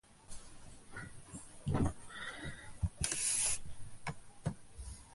ক্ষমা চাহিবে কী, সে নিজেই ক্ষমা চাহিতে সাহস করে নাই।